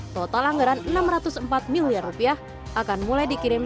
total anggaran rp enam ratus empat miliar rupiah akan mulai dikirim